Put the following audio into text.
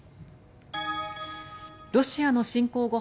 ロシアの侵攻後